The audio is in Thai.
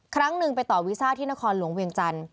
ครั้งหนึ่งไปต่อวีซ่าที่นครหลวงเวียงจันทร์